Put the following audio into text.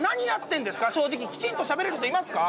正直きちんとしゃべれる人いますか？